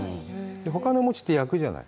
ほかの餅って焼くじゃない？